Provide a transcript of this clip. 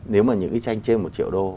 nếu mà những cái tranh trên một triệu đô